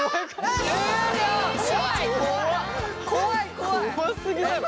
怖すぎだよ。